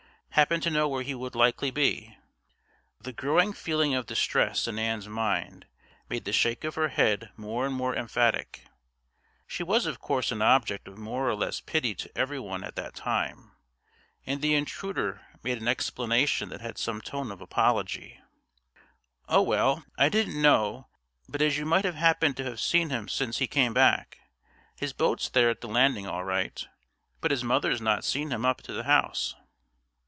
"Happen to know where he would likely be?" The growing feeling of distress in Ann's mind made the shake of her head more and more emphatic. She was of course an object of more or less pity to every one at that time, and the intruder made an explanation that had some tone of apology. "Oh, well, I didn't know but as you might have happened to have seen him since he came back. His boat's there at the landing all right, but his mother's not seen him up to the house."